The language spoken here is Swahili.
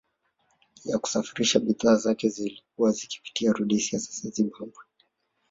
Ya kusafirisha bidhaa zake zilizokuwa zikipitia Rhodesia sasa Zimbabwe